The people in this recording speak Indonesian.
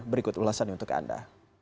berikut ulasannya untuk anda